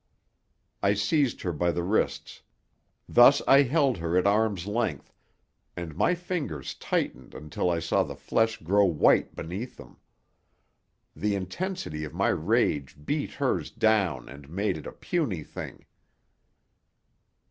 I seized her by the wrists. Thus I held her at arm's length, and my fingers tightened until I saw the flesh grow white beneath them. The intensity of my rage beat hers down and made it a puny thing.